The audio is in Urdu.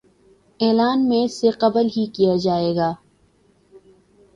اعلان میچ سے قبل ہی کیا جائے گا